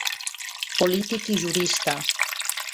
Polític i jurista.